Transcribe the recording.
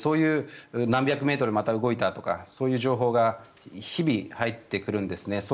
何百メートルまた動いたとかそういう情報が日々入ってくるんですね。